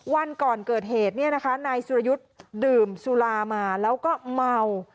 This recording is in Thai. วันก่อนเกิดเหตุเนี่ยนะคะนายสุรยุทธ์ดื่มสุรามาแล้วก็เมา